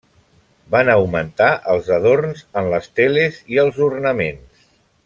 Van augmentar els adorns en les teles i els ornaments.